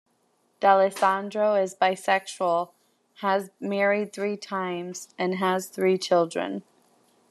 Dallesandro is bisexual, has married three times, and has three children.